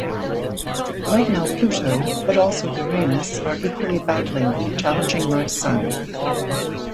Right now Pluto, but also Uranus are equally battling, challenging my Sun.